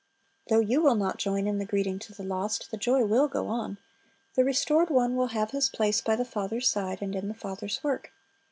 Though you will not join in the greeting to the lost, the joy will go on, the restored one will have his place by the Father's side and in the Father's work.